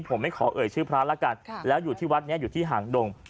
ผมไม่ขอเอ่ยชื่อพระแล้วกันแล้วอยู่ที่วัดนี้อยู่ที่หางดง